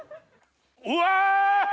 うわ！